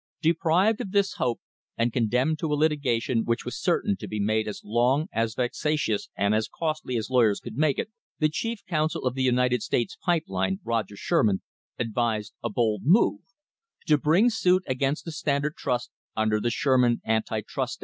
Deprived of this hope, and condemned to a litigation which was certain to be made as long, as vexatious, and as costly as lawyers could make it, the chief counsel of the United States Pipe Line, Roger Sherman, advised a bold move to bring suit against the Standard Trust under the Sherman anti trust law.